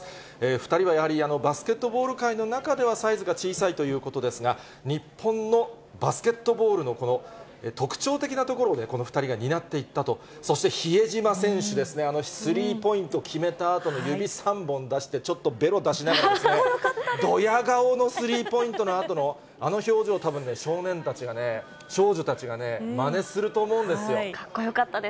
２人はやはり、バスケットボール界の中ではサイズが小さいということですが、日本のバスケットボールのこの特徴的なところをですね、この２人が担っていったと、そして比江島選手ですね、あのスリーポイント決めたあとの指３本出して、ちょっとべろ出しながら、どや顔のスリーポイントのあとのあの表情、たぶんね、少年たちが、少女たちがまねすると思うんですかっこよかったです。